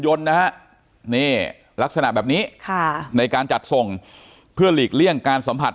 ยนต์นะฮะนี่ลักษณะแบบนี้ค่ะในการจัดส่งเพื่อหลีกเลี่ยงการสัมผัส